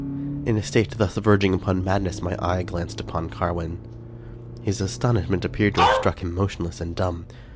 In a state thus verging upon madness, my eye glanced upon Carwin. His astonishment appeared to have struck him motionless and dumb.